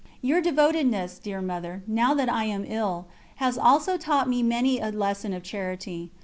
Your devotedness, dear Mother, now that I am ill, has also taught me many a lesson of charity.